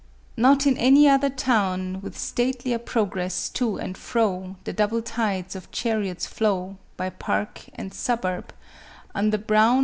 " Not in any other town With tlatf lier progress to and fro The double tides of chariots flow By park and suburb, under brown 184 MARIA THERESA.